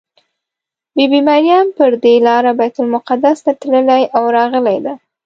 بي بي مریم پر دې لاره بیت المقدس ته تللې او راغلې ده.